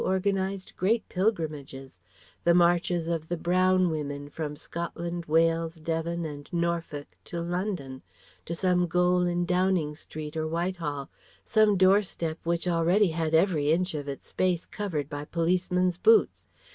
U. organized great pilgrimages the marches of the Brown Women from Scotland, Wales, Devon and Norfolk to London, to some goal in Downing Street or Whitehall, some door step which already had every inch of its space covered by policemen's boots.